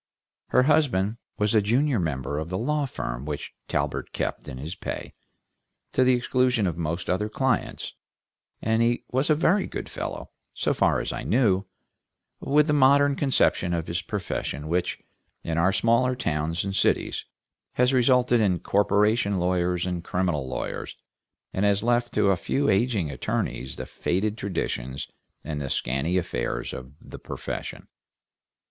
Her husband was the junior member of the law firm which Talbert kept in his pay, to the exclusion of most other clients, and he was a very good fellow, so far as I knew, with the modern conception of his profession which, in our smaller towns and cities, has resulted in corporation lawyers and criminal lawyers, and has left to a few aging attorneys the faded traditions and the scanty affairs of the profession.